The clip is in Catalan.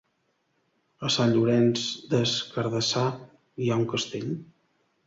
A Sant Llorenç des Cardassar hi ha un castell?